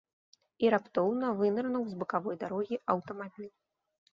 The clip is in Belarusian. І раптоўна вынырнуў з бакавой дарогі аўтамабіль.